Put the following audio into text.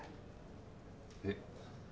えっ？